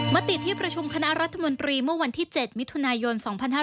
มติที่ประชุมคณะรัฐมนตรีเมื่อวันที่๗มิถุนายน๒๕๕๙